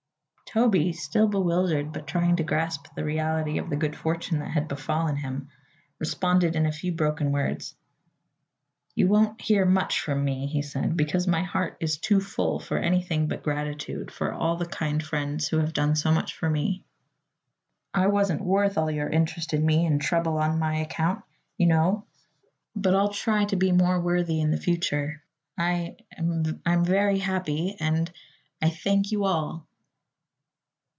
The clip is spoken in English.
Toby, still bewildered but trying to grasp the reality of the good fortune that had befallen him, responded in a few broken words: "You won't hear much from me," he said, "because my heart is too full for anything but gratitude for the kind friends who have done so much for me. I wasn't worth all your interest in me and trouble on my account, you know; but I'll try to be more worthy in the future. I I'm very happy and I I thank you all!"